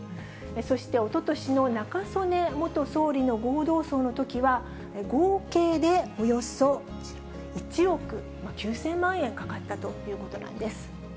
そして、おととしの中曽根元総理の合同葬のときは、合計でおよそ１億９０００万円かかったということなんです。